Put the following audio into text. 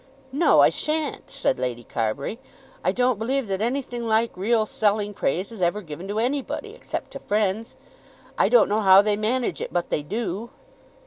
"No, I shan't," said Lady Carbury. "I don't believe that anything like real selling praise is ever given to anybody, except to friends. I don't know how they manage it, but they do."